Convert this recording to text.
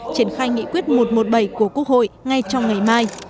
triển khai nghị quyết một trăm một mươi bảy của quốc hội ngay trong ngày mai